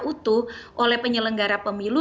utuh oleh penyelenggara pemilu